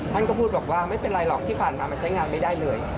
ท่านก็พูดบอกว่าไม่เป็นไรหรอกที่ผ่านมามันใช้งานไม่ได้เลย